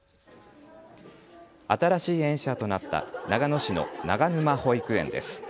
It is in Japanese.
新しい園舎となった長野市の長沼保育園です。